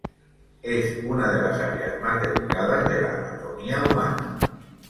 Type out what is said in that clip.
Es una de las áreas más delicadas de la anatomía humana.